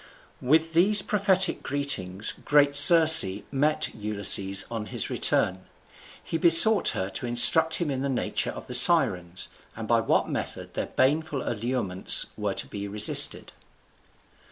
With these prophetic greetings great Circe met Ulysses on his return. He besought her to instruct him in the nature of the Sirens, and by what method their baneful allurements were to be resisted.